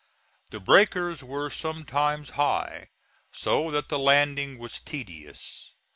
The breakers were sometimes high, so that the landing was tedious.